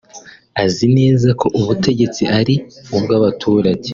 Azi neza ko ubutegetsi ari ubw’abaturage